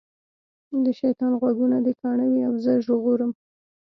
د شیطان غوږونه دي کاڼه وي او زه ژغورم.